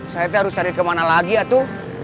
saya harus cari kemana lagi ya itu